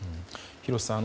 廣瀬さん。